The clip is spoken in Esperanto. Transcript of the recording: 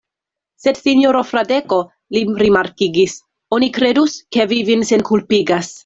Sed sinjoro Fradeko, li rimarkigis, oni kredus, ke vi vin senkulpigas.